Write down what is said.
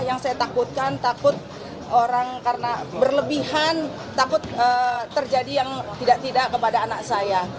yang saya takutkan takut orang karena berlebihan takut terjadi yang tidak tidak kepada anak saya